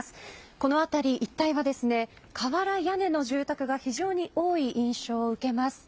この辺り一帯は瓦屋根の住宅が非常に多い印象を受けます。